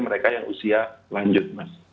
mereka yang usia lanjut mas